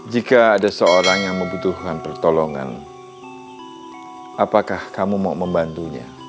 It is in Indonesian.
jika ada seorang yang membutuhkan pertolongan apakah kamu mau membantunya